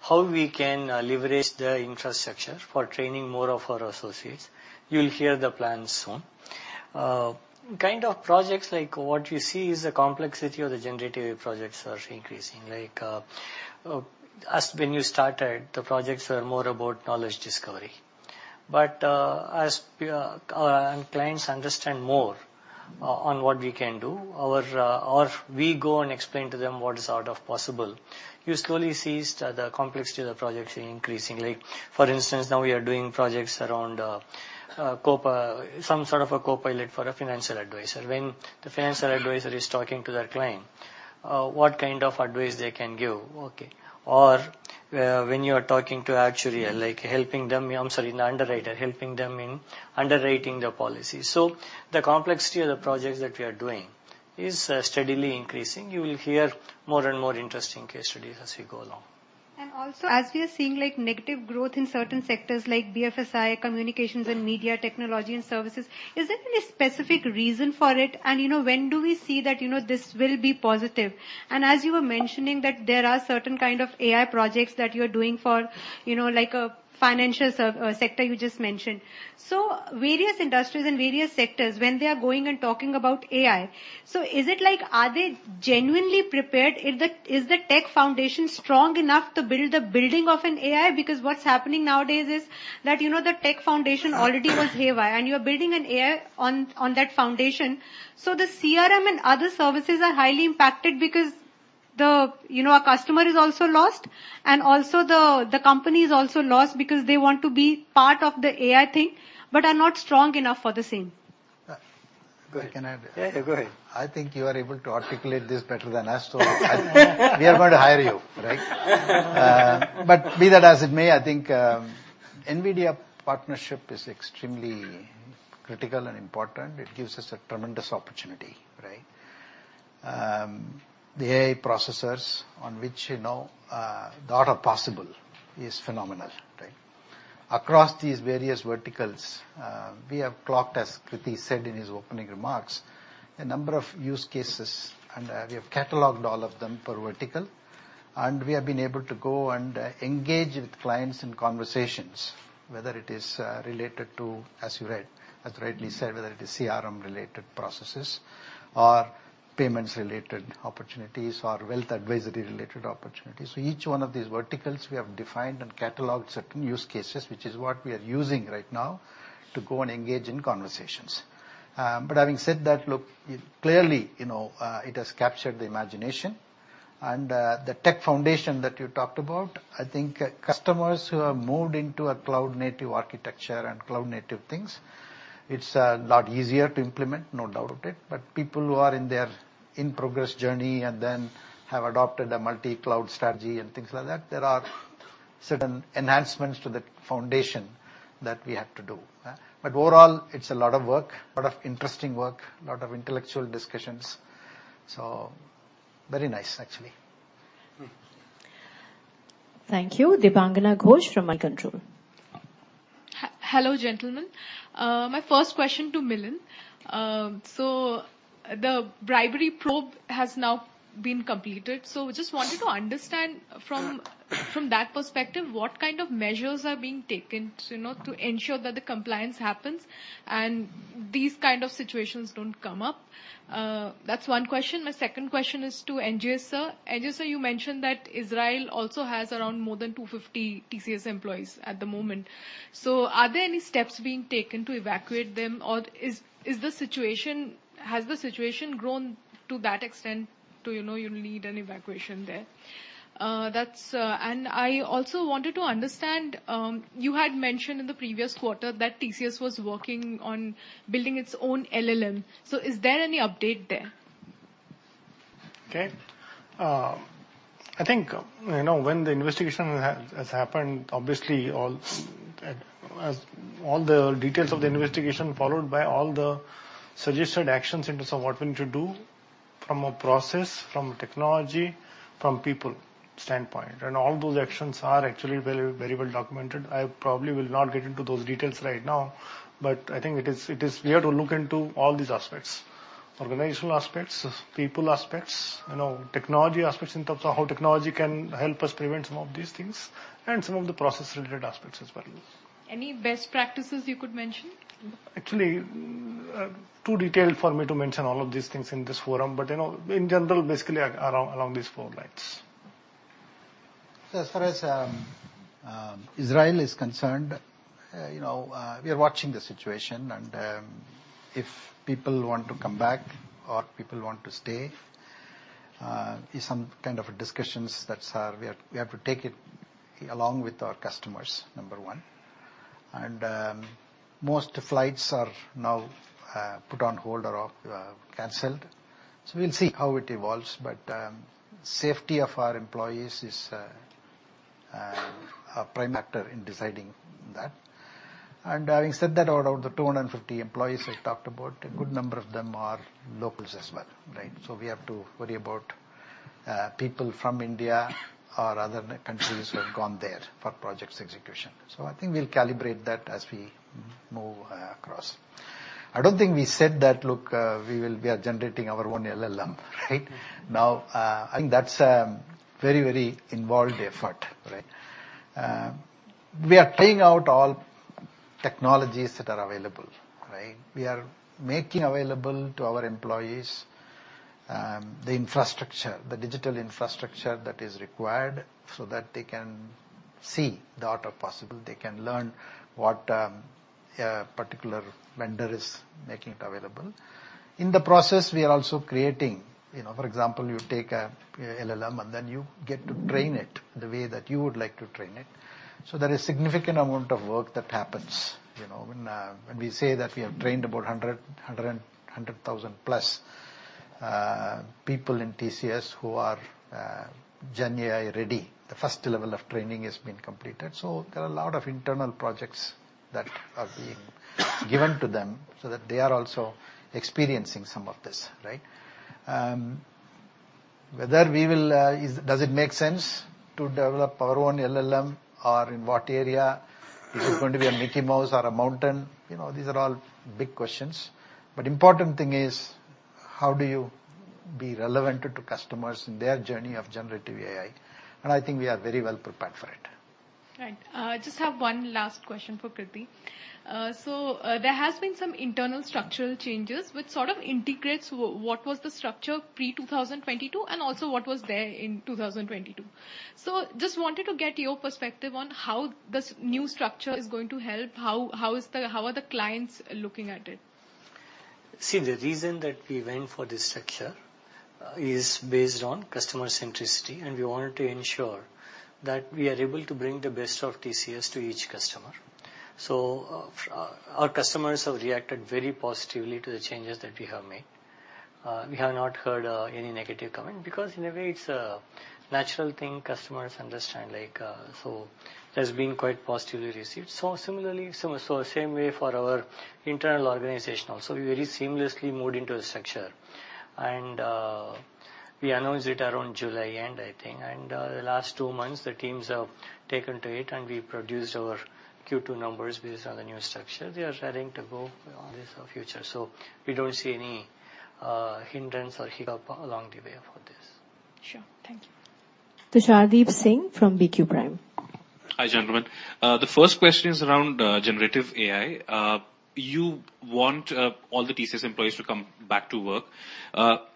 how we can, like, leverage their infrastructure for training more of our associates. You'll hear the plan soon. Kind of projects, like, what you see is the complexity of the generative AI projects are increasing. Like, as when you started, the projects were more about knowledge discovery. As people and clients understand more on what we can do, or we go and explain to them what is sort of possible, you slowly see the complexity of the projects increasing. Like, for instance, now we are doing projects around, like, some sort of a copilot for a financial advisor. When the financial advisor is talking to their client, what kind of advice they can give, okay? Or, when you are talking to actuary, like helping them, I'm sorry, an underwriter, helping them in underwriting the policy. So the complexity of the projects that we are doing is steadily increasing. You will hear more and more interesting case studies as we go along. Also, as we are seeing, like, negative growth in certain sectors like BFSI, Communications and Media, Technology and Services, is there any specific reason for it? And, you know, when do we see that, you know, this will be positive? And as you were mentioning, that there are certain kind of AI projects that you are doing for, you know, like a financial sector you just mentioned. So various industries and various sectors, when they are going and talking about AI, so is it, like, are they genuinely prepared? Is the tech foundation strong enough to build the building of an AI? Because what's happening nowadays is that, you know, the tech foundation already was haywire, and you are building an AI on that foundation. So the CRM and other services are highly impacted because- You know, our customer is also lost, and also the company is also lost because they want to be part of the AI thing, but are not strong enough for the same. Go ahead. Can I add? Yeah, go ahead. I think you are able to articulate this better than us, so we are going to hire you, right? Be that as it may, I think NVIDIA partnership is extremely critical and important. It gives us a tremendous opportunity, right? The AI processors on which, you know, the art are possible is phenomenal, right? Across these various verticals, we have clocked, as Kirti said in his opening remarks, a number of use cases, and we have cataloged all of them per vertical. We have been able to go and, you know, engage with clients in conversations, whether it is, as you rightly said, whether it is CRM-related processes or payments-related opportunities or wealth advisory-related opportunities. So each one of these verticals, we have defined and cataloged certain use cases, which is what we are using right now to go and engage in conversations. But having said that, look, clearly, you know, it has captured the imagination. And, the tech foundation that you talked about, I think customers who have moved into a cloud-native architecture and cloud-native things, it's a lot easier to implement, no doubt of it. But people who are in their in-progress journey and then have adopted a multi-cloud strategy and things like that, there are certain enhancements to the foundation that we have to do. But overall, it's a lot of work, lot of interesting work, lot of intellectual discussions. So very nice, actually. Mm. Thank you. Debangana Ghosh from MoneyControl. Hello, gentlemen. My first question to Milind. So the bribery probe has now been completed, so just wanted to understand from that perspective, what kind of measures are being taken to, you know, ensure that the compliance happens and these kind of situations don't come up? That's one question. My second question is to NGS, sir. NGS, sir, you mentioned that Israel also has around more than 250 TCS employees at the moment. So are there any steps being taken to evacuate them, or is the situation has the situation grown to that extent to, you know, you need an evacuation there? That's... And I also wanted to understand, you had mentioned in the previous quarter that TCS was working on building its own LLM. So is there any update there? Okay. I think, you know, when the investigation has happened, obviously, all, as all the details of the investigation, followed by all the suggested actions in terms of what we need to do from a process, from a technology, from people standpoint, and all those actions are actually very, very well documented. I probably will not get into those details right now, but I think it is, it is... We have to look into all these aspects: organizational aspects, people aspects, you know, technology aspects in terms of how technology can help us prevent some of these things, and some of the process-related aspects as well. Any best practices you could mention? Actually, too detailed for me to mention all of these things in this forum, but, you know, in general, basically along these four lines. As far as Israel is concerned, you know, we are watching the situation, and if people want to come back or people want to stay, is some kind of discussions that are—we have, we have to take it along with our customers, number one. And most flights are now put on hold or canceled, so we'll see how it evolves. But safety of our employees is a prime factor in deciding that. And having said that, out of the 250 employees I talked about, a good number of them are locals as well, right? So we have to worry about people from India or other countries who have gone there for projects execution. So I think we'll calibrate that as we move across. I don't think we said that. Look, we are generating our own LLM, right? Now, I think that's a very, very involved effort, right? We are trying out all technologies that are available, right? We are making available to our employees the infrastructure, the digital infrastructure that is required so that they can see the art of possible. They can learn what a particular vendor is making it available. In the process, we are also creating. You know, for example, you take a LLM, and then you get to train it the way that you would like to train it. So there is significant amount of work that happens. You know, when, when we say that we have trained about 100,000+ people in TCS who are GenAI-ready, the first level of training has been completed. So there are a lot of internal projects that are being given to them, so that they are also experiencing some of this, right? Whether we will... Is, does it make sense to develop our own LLM, or in what area? Is it going to be a Mickey Mouse or a mountain? You know, these are all big questions. But important thing is, how do you be relevant to customers in their journey of generative AI? And I think we are very well prepared for it. Right. Just have one last question for Krithi. So, there has been some internal structural changes, which sort of integrates what was the structure pre-2022, and also what was there in 2022. So just wanted to get your perspective on how this new structure is going to help. How are the clients looking at it? See, the reason that we went for this structure is based on customer centricity, and we wanted to ensure that we are able to bring the best of TCS to each customer. Our customers have reacted very positively to the changes that we have made. We have not heard any negative comment, because in a way it's a natural thing customers understand. Like, it has been quite positively received. Similarly, same way for our internal organization also. We very seamlessly moved into the structure. We announced it around July end, I think, and the last two months, the teams have taken to it and we produced our Q2 numbers based on the new structure. They are starting to go on this future. So we don't see any hindrance or hiccup along the way for this. Sure. Thank you. Tushar Deep Singh from BQ Prime. Hi, gentlemen. The first question is around generative AI. You want all the TCS employees to come back to work.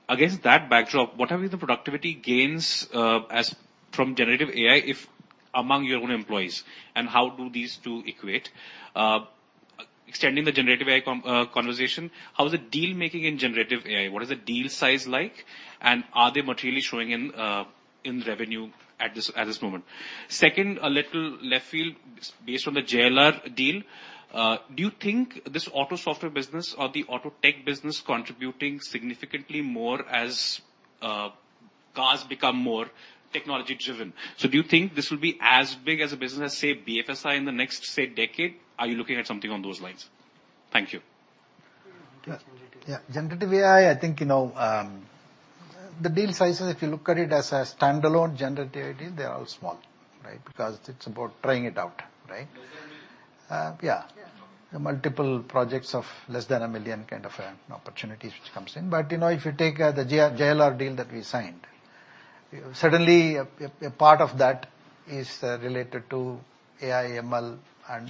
Against that backdrop, what are the productivity gains as from generative AI if among your own employees, and how do these two equate? Extending the generative AI conversation, how is the deal-making in generative AI? What is the deal size like, and are they materially showing in revenue at this moment? Second, a little left field, based on the JLR deal, do you think this auto software business or the auto tech business contributing significantly more as cars become more technology-driven? So do you think this will be as big as a business as, say, BFSI in the next, say, decade? Are you looking at something on those lines? Thank you. Yeah. Generative AI, I think, you know, the deal sizes, if you look at it as a standalone generative AI, they are all small, right? Because it's about trying it out, right? Less than 1 million. Uh, yeah. Yeah. Multiple projects of less than $1 million, kind of, you know, opportunities which comes in. If you take the JLR deal that we signed, certainly a part of that is related to AI, ML, and,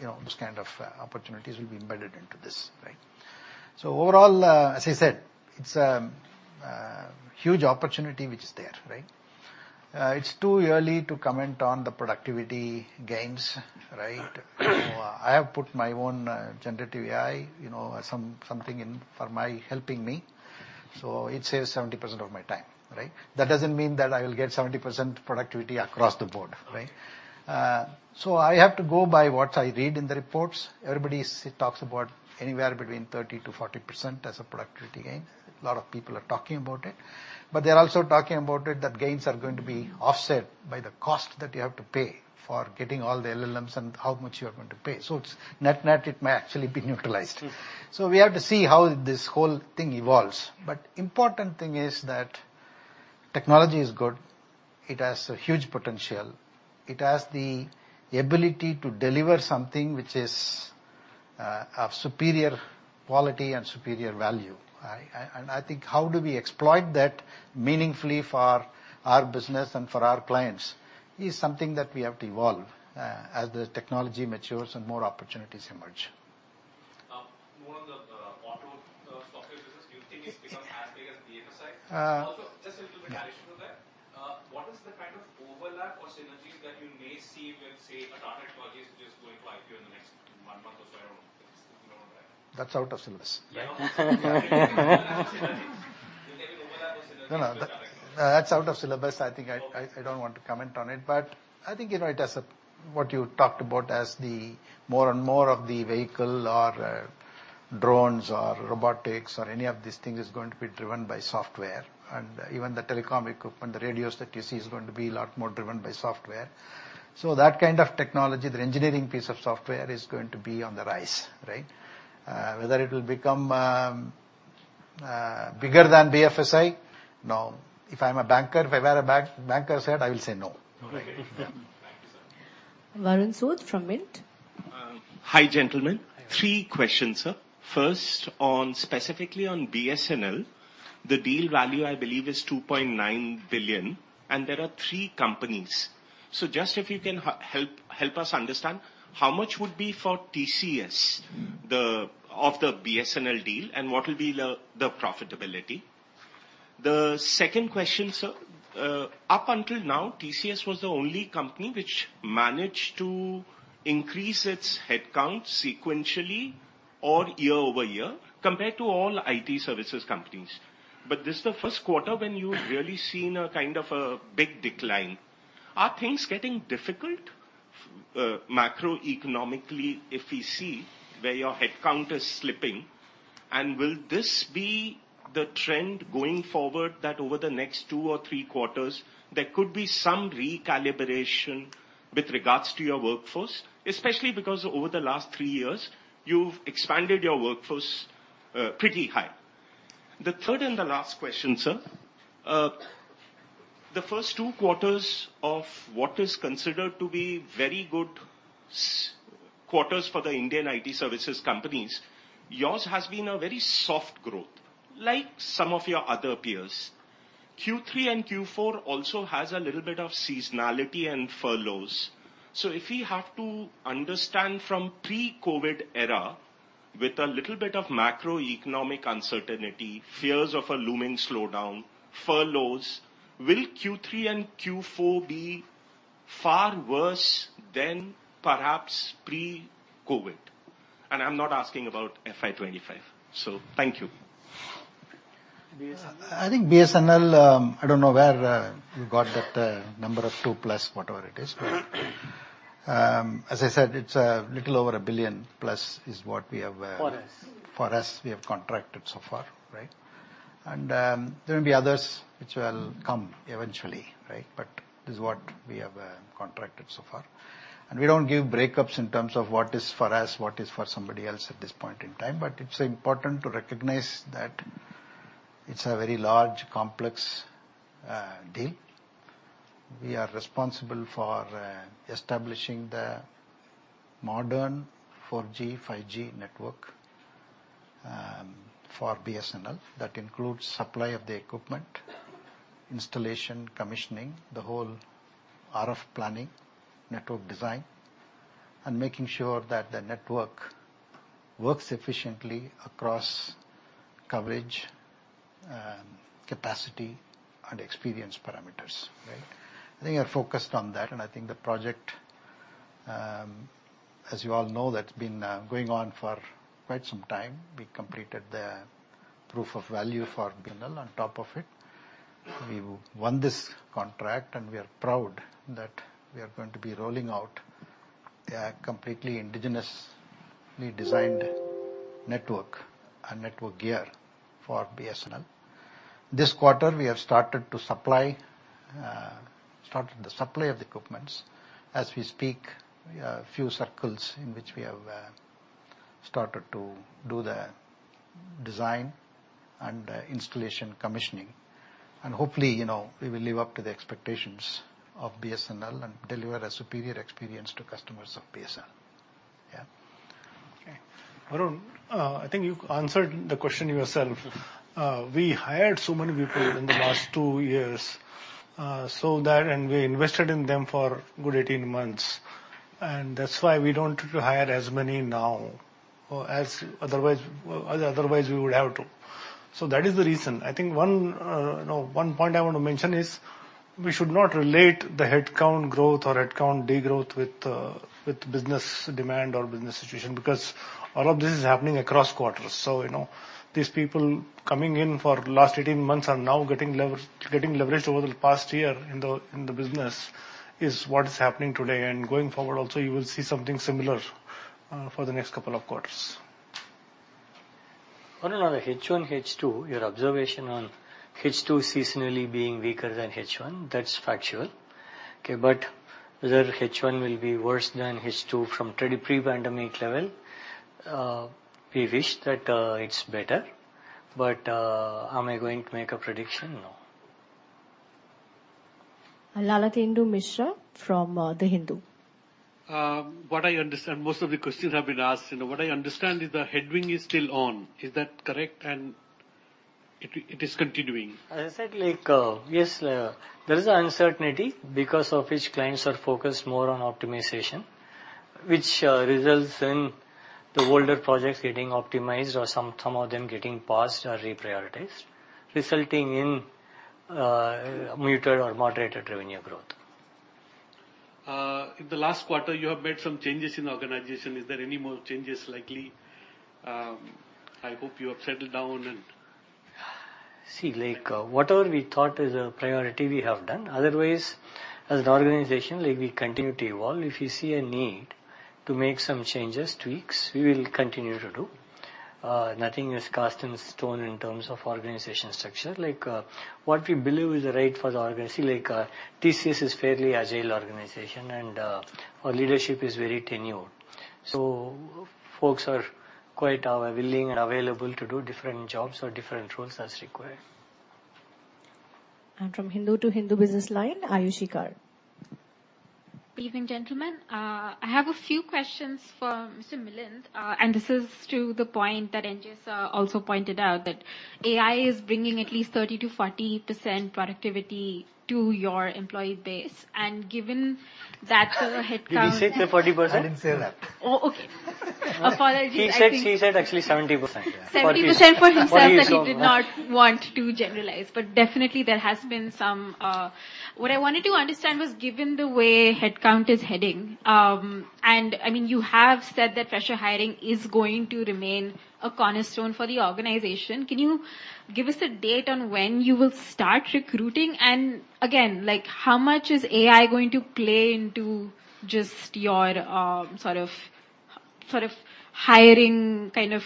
you know, those kind of opportunities will be embedded into this, right? Overall, as I said, it's a huge opportunity, which is there, right? It's too early to comment on the productivity gains, right? I have put my own generative AI, you know, something in for my helping me, so it saves 70% of my time, right? That doesn't mean that I will get 70% productivity across the board, right? Okay. I have to go by what I read in the reports. Everybody talks about anywhere between 30-40% as a productivity gain. A lot of people are talking about it, but they're also talking about it, that gains are going to be offset by the cost that you have to pay for getting all the LLMs and how much you are going to pay. So it's net-net, it may actually be neutralized. We have to see how this whole thing evolves. Important thing is that technology is good. It has a huge potential. It has the ability to deliver something which is, I mean, of superior quality and superior value. I think how do we exploit that meaningfully for our business and for our clients is something that we have to evolve as the technology matures and more opportunities emerge. More on the auto software business, do you think it's become as big as BFSI? Uh- Also, just a little bit addition to that. Yeah. What is the kind of overlap or synergies that you may see with, say, Tata Technologies, which is going to IPO in the next one month or so? I don't know. You know that. That's out of syllabus. Yeah. Synergies. You think the overlap or synergies- No, no. That's out of syllabus. I think... Okay. I don't want to comment on it. But I think, you know, it has a... What you talked about as the more and more of the vehicle or, drones or robotics or any of these things is going to be driven by software, and even the telecom equipment, the radios that you see is going to be a lot more driven by software. So that kind of technology, the engineering piece of software, is going to be on the rise, right? Whether it will become bigger than BFSI? No. If I'm a banker, if I wear a banker hat, I will say no. Okay. Thank you, sir. Varun Sood from Mint. Hi, gentlemen. Hi. Three questions, sir. First, on specifically on BSNL, the deal value, I believe, is $2.9 billion, and there are three companies. So just if you can help us understand, how much would be for TCS, the of the BSNL deal, and what will be the profitability? The second question, sir: up until now, TCS was the only company which managed to increase its headcount sequentially or year-over-year, compared to all IT services companies. But this is the first quarter when you've really seen a kind of a big decline. Are things getting difficult, macroeconomically, if we see where your headcount is slipping? And will this be the trend going forward, that over the next 2 or 3 quarters, there could be some recalibration with regards to your workforce? Especially because over the last three years, you've expanded your workforce pretty high. The third and the last question, sir: the first two quarters of what is considered to be very good quarters for the Indian IT services companies, yours has been a very soft growth, like some of your other peers. Q3 and Q4 also has a little bit of seasonality and furloughs. So if we have to understand from pre-COVID era, with a little bit of macroeconomic uncertainty, fears of a looming slowdown, furloughs, will Q3 and Q4 be, Far worse than perhaps pre-COVID? And I'm not asking about FY25. So, thank you. I think BSNL. I don't know where you got that number of 2+, whatever it is, but as I said, it's a little over 1 billion+ is what we have. For us. For us, we have contracted so far, right? There will be others which will come eventually, right? This is what we have contracted so far. We don't give breakups in terms of what is for us, what is for somebody else at this point in time, but it's important to recognize that it's a very large, complex deal. We are responsible for establishing the modern 4G, 5G network for BSNL. That includes supply of the equipment, installation, commissioning, the whole RF planning, network design, and making sure that the network works efficiently across coverage, capacity, and experience parameters, right? I think we are focused on that, and I think the project, as you all know, that's been going on for quite some time. We completed the proof of value for BSNL on top of it. We won this contract, and we are proud that we are going to be rolling out a completely indigenously designed network and network gear for BSNL. This quarter, we have started to supply, started the supply of the equipments. As we speak, few circles in which we have started to do the design and, installation, commissioning, and hopefully, you know, we will live up to the expectations of BSNL and deliver a superior experience to customers of BSNL. Yeah. Okay. Varun, I think you answered the question yourself. We hired so many people in the last two years, so that, and we invested in them for good 18 months, and that's why we don't need to hire as many now or as otherwise, otherwise we would have to. So that is the reason. I think one, you know, one point I want to mention is, we should not relate the headcount growth or headcount degrowth with, with business demand or business situation, because all of this is happening across quarters. So, you know, these people coming in for last 18 months are now getting leveraged over the past year in the, in the business, is what is happening today. And going forward also, you will see something similar, for the next couple of quarters. Varun, on the H one, H two, your observation on H two seasonally being weaker than H one, that's factual. Okay, but whether H one will be worse than H two from pre-pandemic level, we wish that it's better, but, am I going to make a prediction? No. Lalatendu Mishra from The Hindu. What I understand, most of the questions have been asked. You know, what I understand is the headwind is still on. Is that correct, and it is continuing? As I said, like, yes, there is an uncertainty because of which clients are focused more on optimization, which results in the older projects getting optimized or some, some of them getting paused or reprioritized, resulting in muted or moderated revenue growth. In the last quarter, you have made some changes in the organization. Is there any more changes likely? I hope you have settled down and... See, like, whatever we thought is a priority, we have done. Otherwise, as an organization, like, we continue to evolve. If you see a need to make some changes, tweaks, we will continue to do. Nothing is cast in stone in terms of organization structure. Like, what we believe is right for the organization, like, TCS is fairly agile organization and, our leadership is very tenured. So folks are quite, willing and available to do different jobs or different roles as required. From Hindu Business Line, Ayushi Kar. Good evening, gentlemen. I have a few questions for Mr. Milind, and this is to the point that NJS also pointed out, that AI is bringing at least 30%-40% productivity to your employee base. And given that sort of headcount. Did he say the 40%? I didn't say that. Oh, okay. Apologies. He said, he said actually 70%. Seventy percent for himself, but he did not want to generalize. Definitely, there has been some... What I wanted to understand was, given the way headcount is heading, I mean, you have said that fresher hiring is going to remain a cornerstone for the organization, can you give us a date on when you will start recruiting? Again, like, how much is AI going to play into just your, sort of, sort of, hiring kind of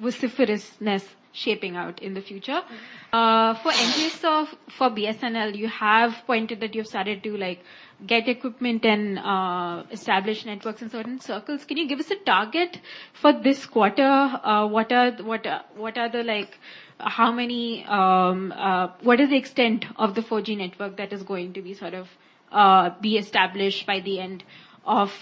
vociferousness shaping out in the future? For NGS, so for BSNL, you have pointed that you've started to, like, get equipment and establish networks in certain circles. Can you give us a target for this quarter? What are, what, what are the, like, how many, what is the extent of the 4G network that is going to be sort of, be established by the end of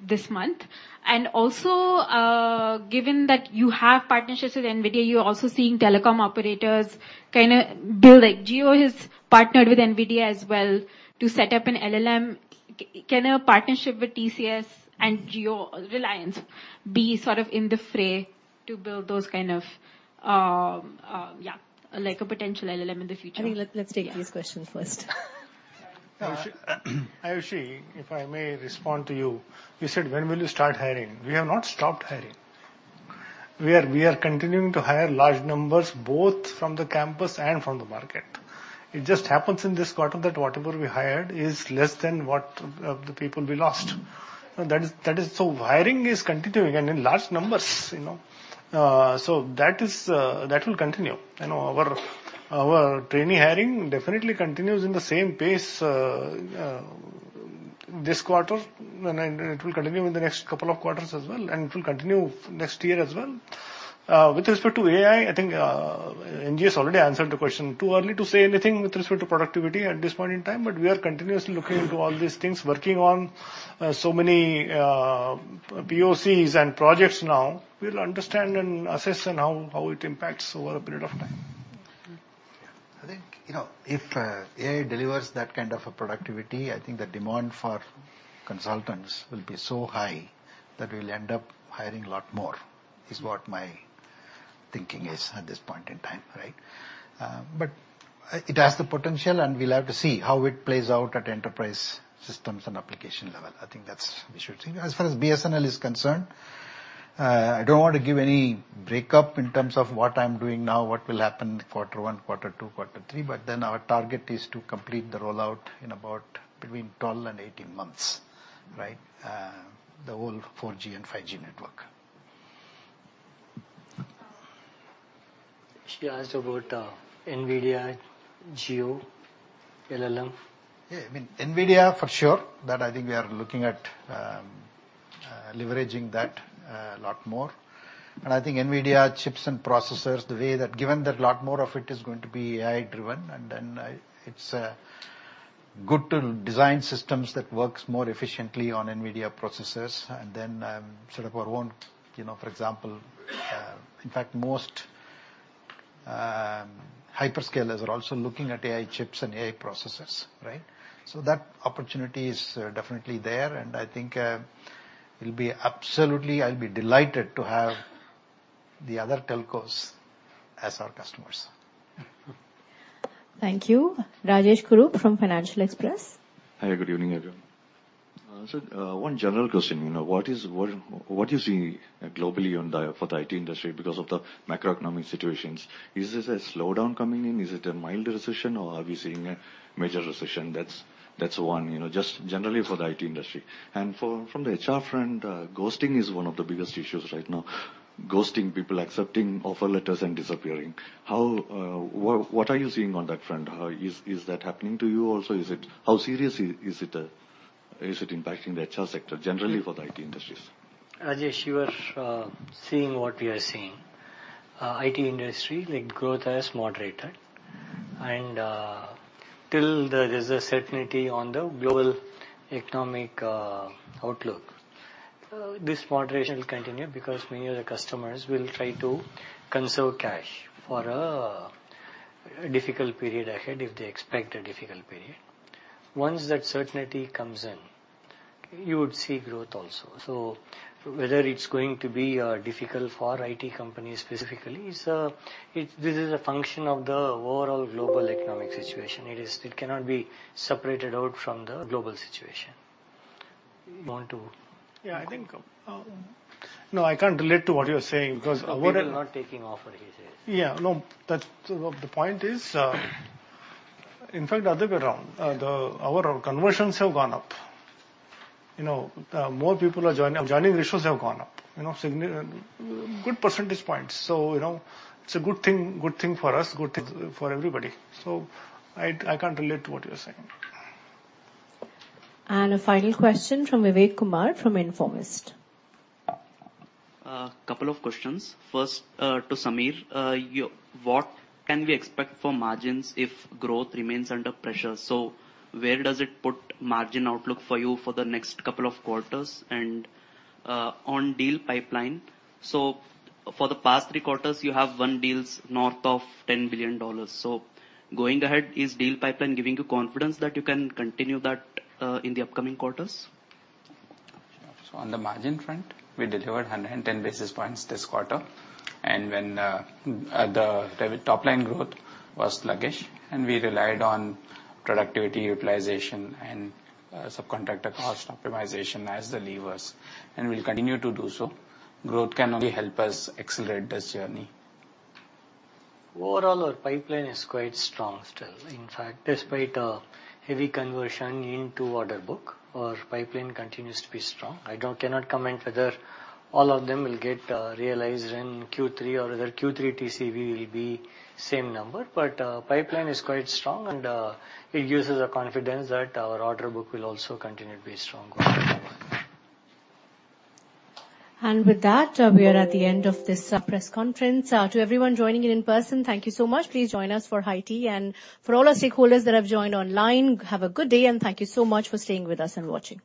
this month? And also, given that you have partnerships with NVIDIA, you're also seeing telecom operators kind of build... Like, Jio has partnered with NVIDIA as well to set up an LLM. Can a partnership with TCS and Jio or Reliance be sort of in the fray? To build those kind of, yeah, like a potential LLM in the future? I think let's take these questions first. Ayushi, Ayushi, if I may respond to you. You said, "When will you start hiring?" We have not stopped hiring. We are continuing to hire large numbers, both from the campus and from the market. It just happens in this quarter that whatever we hired is less than the people we lost. That is, that is, hiring is continuing, and in large numbers, you know? That will continue. You know, our trainee hiring definitely continues at the same pace this quarter, and it will continue in the next couple of quarters as well, and it will continue next year as well. With respect to AI, I think NG has already answered the question. Too early to say anything with respect to productivity at this point in time, but we are continuously looking into all these things, working on so many POCs and projects now. We'll understand and assess on how it impacts over a period of time. Mm-hmm. I think, you know, if AI delivers that kind of a productivity, I think the demand for consultants will be so high that we'll end up hiring a lot more, is what my thinking is at this point in time, right? But it has the potential, and we'll have to see how it plays out at enterprise systems and application level. I think that's we should see. As far as BSNL is concerned, I don't want to give any breakup in terms of what I'm doing now, what will happen quarter one, quarter two, quarter three, but then our target is to complete the rollout in about between 12 and 18 months, right? The whole 4G and 5G network. She asked about NVIDIA, Jio, LLM. Yeah, I mean, NVIDIA, for sure, that I think we are looking at, leveraging that a lot more. And I think NVIDIA chips and processors, the way that, given that a lot more of it is going to be AI-driven, and then I... It's good to design systems that works more efficiently on NVIDIA processors, and then, sort of our own, you know, for example, In fact, most hyperscalers are also looking at AI chips and AI processors, right? So that opportunity is definitely there, and I think, we'll be absolutely, I'll be delighted to have the other telcos as our customers. Thank you. Rajesh Kurup from Financial Express. Hi, good evening, everyone. So, one general question, you know, what is, what, what you see globally on the, for the IT industry because of the macroeconomic situations? Is this a slowdown coming in, is it a mild recession, or are we seeing a major recession? That's one, you know, just generally for the IT industry. And for, from the HR front, ghosting is one of the biggest issues right now. Ghosting people, accepting offer letters and disappearing. How, what, what are you seeing on that front? Is, is that happening to you also? Is it... How serious is, is it, is it impacting the HR sector, generally for the IT industries? Rajesh, you are seeing what we are seeing. IT industry, the growth has moderated. Till there is a certainty on the global economic outlook, this moderation will continue because many of the customers will try to conserve cash for a difficult period ahead if they expect a difficult period. Once that certainty comes in, you would see growth also. Whether it's going to be difficult for IT companies specifically, this is a function of the overall global economic situation. It cannot be separated out from the global situation. You want to? Yeah, I think, no, I can't relate to what you're saying, because what- People are not taking offer, he says. Yeah. No, that's the point is, in fact, the other way around, our conversions have gone up. You know, more people are joining. Joining ratios have gone up, you know, good percentage points. So, you know, it's a good thing, good thing for us, good thing for everybody. So I, I can't relate to what you're saying. A final question from Vivek Kumar from Informist. Couple of questions. First, to Samir: You, what can we expect for margins if growth remains under pressure? Where does it put margin outlook for you for the next couple of quarters? On deal pipeline: For the past three quarters, you have won deals north of $10 billion. Going ahead, is deal pipeline giving you confidence that you can continue that in the upcoming quarters? So on the margin front, we delivered 110 basis points this quarter, and when the top line growth was sluggish, and we relied on productivity, utilization, and subcontractor cost optimization as the levers, and we'll continue to do so. Growth can only help us accelerate this journey. Overall, our pipeline is quite strong still. In fact, despite a heavy conversion into order book, our pipeline continues to be strong. I cannot comment whether all of them will get realized in Q3 or whether Q3 TCV will be same number. But, pipeline is quite strong, and it gives us the confidence that our order book will also continue to be strong going forward. With that, we are at the end of this press conference. To everyone joining in person, thank you so much. Please join us for high tea. For all our stakeholders that have joined online, have a good day, and thank you so much for staying with us and watching.